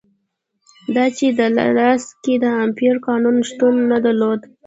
دا چې په دالاس کې د امپارو قانون شتون نه درلود.